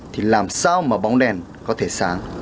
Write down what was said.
thì làm sao mà bóng đèn có thể sáng